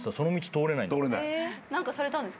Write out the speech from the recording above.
通れない。